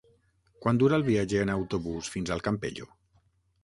Quant dura el viatge en autobús fins al Campello?